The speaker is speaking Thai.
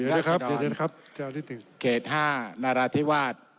รักษดอนเกษ๕นรภาทิวาศ